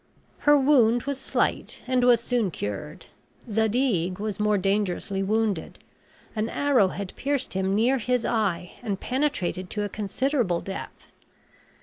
Her wound was slight and was soon cured. Zadig was more dangerously wounded; an arrow had pierced him near his eye, and penetrated to a considerable depth.